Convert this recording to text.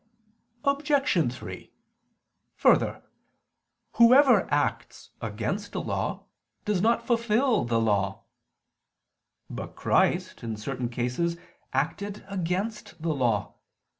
Obj. 3: Further, whoever acts against a law does not fulfil the law. But Christ in certain cases acted against the Law.